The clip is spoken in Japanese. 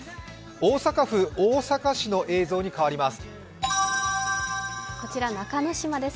大阪府大阪市の映像に変わります。